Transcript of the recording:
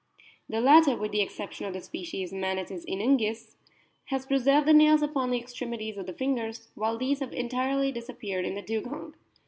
The latter, with the exception of the species M. inunguis, has preserved the nails upon the extremities of the fingers, while these have entirely disappeared in the Dugong.